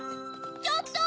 ちょっと！